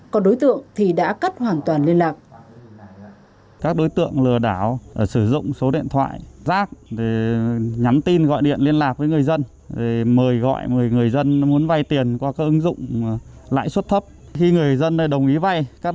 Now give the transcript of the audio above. còn đối tượng thì đã cắt hoàn toàn liên lạc